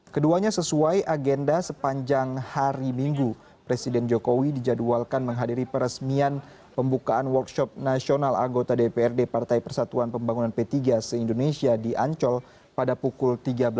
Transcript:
keduanya sesuai agenda sepanjang hari minggu presiden jokowi dijadwalkan menghadiri peresmian pembukaan workshop nasional anggota dprd partai persatuan pembangunan p tiga se indonesia di ancol pada pukul tiga belas